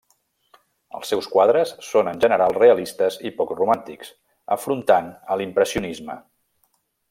Els seus quadres són en general realistes i poc romàntics, afrontant a l'impressionisme.